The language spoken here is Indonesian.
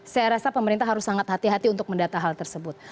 saya rasa pemerintah harus sangat hati hati untuk mendata hal tersebut